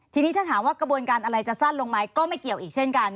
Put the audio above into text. ทีนี้ถ้าถามว่ากระบวนการอะไรจะสั้นลงไหมก็ไม่เกี่ยวอีกเช่นกัน